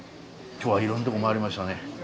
今日はいろんな所回りましたね。